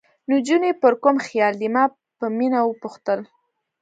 نجونې پر کوم خیال دي؟ ما په مینه وپوښتل.